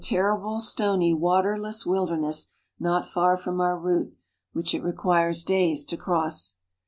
terrible, stony, waterless wilderness not far from our route, which it requires days to cross.